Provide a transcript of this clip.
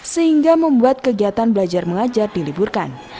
sehingga membuat kegiatan belajar mengajar diliburkan